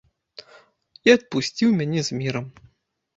І адпусціў мяне з мірам.